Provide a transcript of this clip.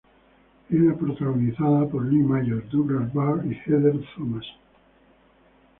Era protagonizada por Lee Majors, Douglas Barr y Heather Thomas.